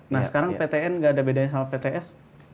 nah sekarang ptn nggak ada bedanya sama pts